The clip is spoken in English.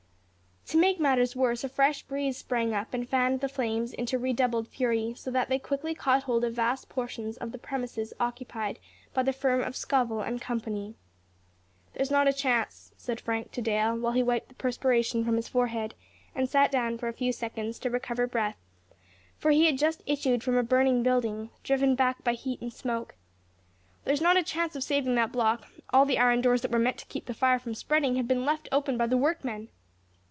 To make matters worse, a fresh breeze sprang up, and fanned the flames into redoubled fury; so that they quickly caught hold of vast portions of the premises occupied by the firm of Scovell and Company. "There's not a chance," said Frank to Dale, while he wiped the perspiration from his forehead, and sat down for a few seconds to recover breath; for he had just issued from a burning building, driven back by heat and smoke "There's not a chance of saving that block; all the iron doors that were meant to keep the fire from spreading have been left open by the workmen!"